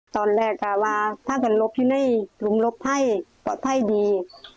ตอนแรกอะว่าท่านกำลังหลบอยู่ในหลุมหลบให้ปลอดภัยดี